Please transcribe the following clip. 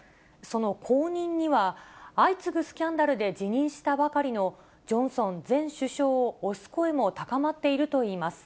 その後任には、相次ぐスキャンダルで辞任したばかりのジョンソン前首相を推す声も高まっているといいます。